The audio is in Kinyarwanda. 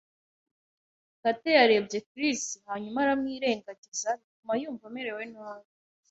Kate yarebye Chris hanyuma aramwirengagiza, bituma yumva amerewe nabi.